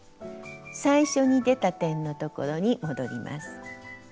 最初に出た点のところに戻ります。